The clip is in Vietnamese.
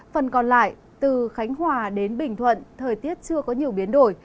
phần còn lại từ khánh hòa đến bình thuận thời tiết chưa có nhiều biến đổi